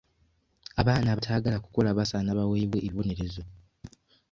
Abaana abataagala kukola basaana baweebwe ebibonerezo.